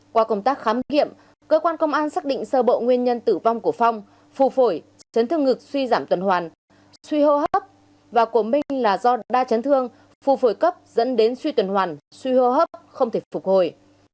qua công tác khám nghiệm cơ quan công an xác định sơ bộ nguyên nhân tử vong của phong phù phổi chấn thương ngực suy giảm tuần hoàn suy hô hấp và của minh là do đa chấn thương phù phổi cấp dẫn đến suy tuần hoàn suy hô hấp không thể phục hồi